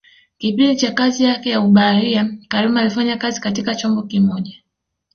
Kipindi cha kazi yake ya ubaharia karume alifanya kazi katika chombo kimoja